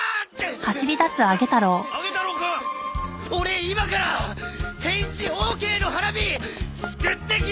オレ今から返事オーケーの花火作ってきます！